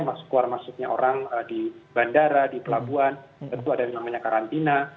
masuk keluar masuknya orang di bandara di pelabuhan tentu ada yang namanya karantina